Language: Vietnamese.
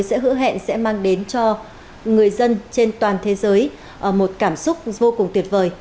các đối tượng sẽ hữu hẹn sẽ mang đến cho người dân trên toàn thế giới một cảm xúc vô cùng tuyệt vời